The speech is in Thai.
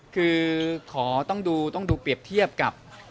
คือขอต้องดูต้องดูเปรียบเทียบกับ